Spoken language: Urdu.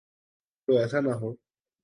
تو ایسا نہ ہو۔